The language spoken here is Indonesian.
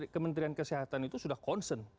kementerian kesehatan itu sudah concern